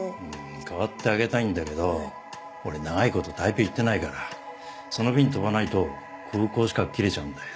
代わってあげたいんだけど俺長いこと台北行ってないからその便飛ばないと空港資格切れちゃうんだよ。